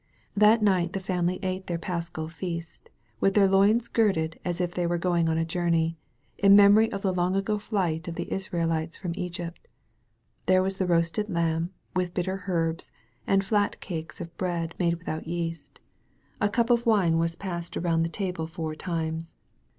That night the family ate their Paschal feast, with their loins girded as if they were going on a journey, in memory of the long ago flight of the Israelites from Egypt. There was the roasted lamb» with bitter herbs, and flat cakes of bread made with out yeast. A cup of wine was passed around the 273 THE VALLEY OF VISION table four times.